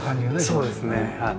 そうですねはい。